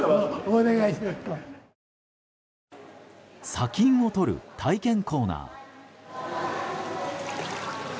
砂金を採る体験コーナー。